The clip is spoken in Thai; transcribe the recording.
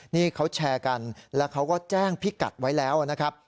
นี่เขาแชร์กันแล้วเขาก็แจ้งพิกัดไว้แล้วนะครับ